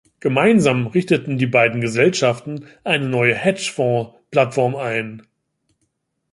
Gemeinsam richteten die beiden Gesellschaften eine neue Hedgefonds-Plattform ein.